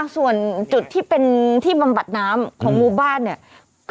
ส่วนจุดที่เป็นที่บำบัดน้ำของหมู่บ้านเนี่ย